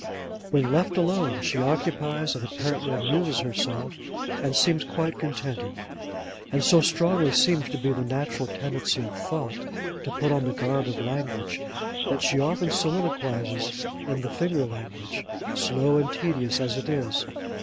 'When left alone, she occupies and apparently amuses herself, and seems quite contented; and so strong seems to be the natural tendency of thought to put on the garb of language, that she often soliloquizes in the finger language, slow and tedious as it is.